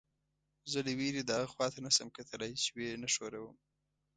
زه له وېرې دهغه خوا ته نه شم کتلی چې ویې نه ښوروم.